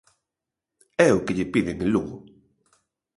É o que lle piden en Lugo.